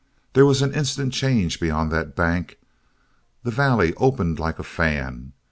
There was an instant change beyond that bank. The valley opened like a fan.